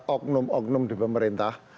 oknum oknum di pemerintah